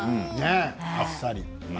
あっさり。